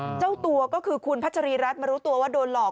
เจ้าตัวก็คือคุณพัชรีรัฐมารู้ตัวว่าโดนหลอก